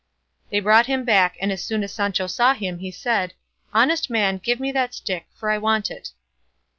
They brought him back, and as soon as Sancho saw him he said, "Honest man, give me that stick, for I want it."